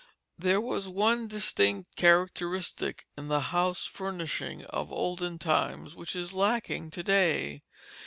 There was one distinct characteristic in the house furnishing of olden times which is lacking to day.